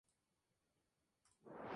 Se casó y divorció en tres ocasiones.